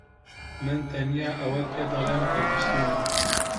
من تەنها ئەوەت پێدەڵێم کە بیستوومە.